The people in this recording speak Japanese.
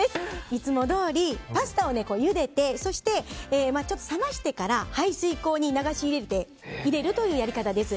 いつもどおりパスタをゆでてそして、ちょっと冷ましてから排水口に流し入れるというやり方です。